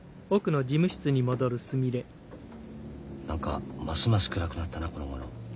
何かますます暗くなったなこのごろ。